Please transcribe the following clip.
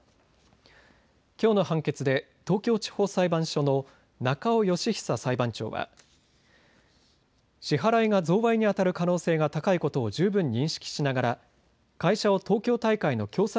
きょうの判決で東京地方裁判所の中尾佳久裁判長は支払いが贈賄にあたる可能性が高いことを十分認識しながら会社を東京大会の協賛